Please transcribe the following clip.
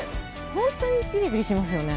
本当にビリビリしてますよね。